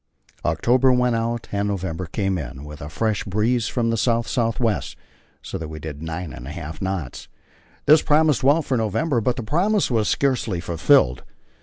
October went out and November came in with a fresh breeze from the south south west, so that we did nine and a half knots. This promised well for November, but the promise was scarcely fulfilled.